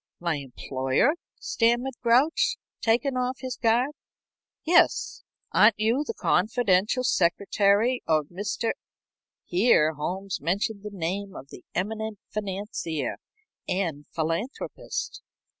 "My employer?" stammered Grouch, taken off his guard. "Yes. Aren't you the confidential secretary of Mr. ?" Here Holmes mentioned the name of the eminent financier and philanthropist.